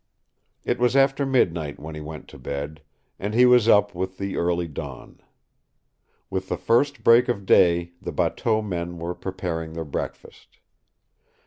It was after midnight when he went to bed, and he was up with the early dawn. With the first break of day the bateau men were preparing their breakfast.